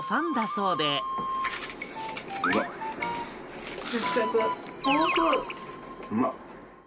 うまっ。